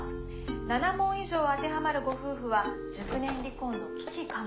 ７問以上当てはまるご夫婦は熟年離婚の危機かも。